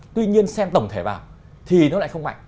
tuy nhiên xem tổng thể vào thì nó lại không mạnh